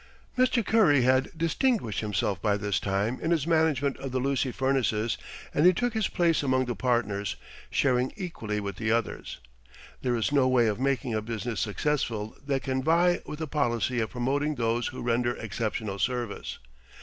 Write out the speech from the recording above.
Mr. Curry had distinguished himself by this time in his management of the Lucy Furnaces, and he took his place among the partners, sharing equally with the others. There is no way of making a business successful that can vie with the policy of promoting those who render exceptional service.